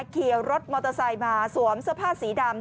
ขี่รถมอเตอร์ไซค์มาสวมเสื้อผ้าสีดำ